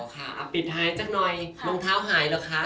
อ๋อค่ะปิดท้ายจักรหน่อยรองเท้าหายหรือคะ